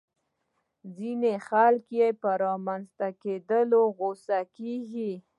ځينې خلک يې په رامنځته کېدو غوسه کېږي.